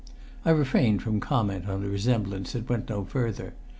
I refrained from comment on a resemblance that went no further.